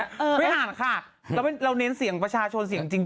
ไม่อ่านค่ะแล้วเราเน้นเสียงประชาชนเสียงจริง